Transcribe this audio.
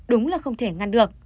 đúng là không thể ngăn được